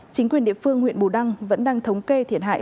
chính quyền địa phương huyện bù đăng vẫn đang thống kê thiệt hại